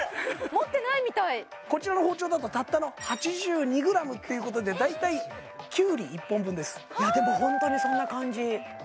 持ってないみたいこちらの包丁だとたったの８２ｇっていうことでだいたいキュウリ１本分ですいやでもホントにそんな感じ軽い！